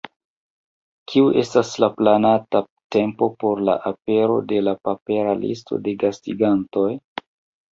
Kiu estas la planata tempo por la apero de la papera listo de gastigantoj?